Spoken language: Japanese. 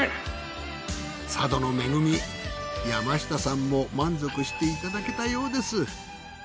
佐渡の恵み山下さんも満足していただけたようです。